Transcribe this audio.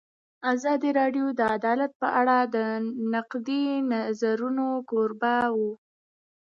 ازادي راډیو د عدالت په اړه د نقدي نظرونو کوربه وه.